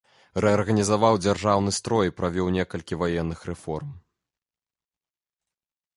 Рэарганізаваў дзяржаўны строй і правёў некалькі ваенных рэформ.